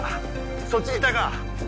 そっちにいたか？